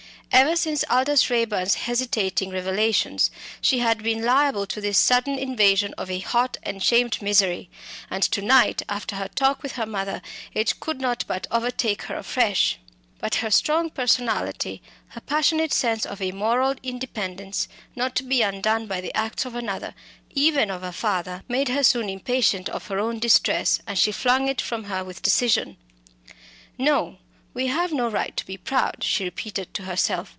Ever since Aldous Raeburn's hesitating revelations, she had been liable to this sudden invasion of a hot and shamed misery. And to night, after her talk with her mother, it could not but overtake her afresh. But her strong personality, her passionate sense of a moral independence not to be undone by the acts of another, even a father, made her soon impatient of her own distress, and she flung it from her with decision. "No, we have no right to be proud," she repeated to herself.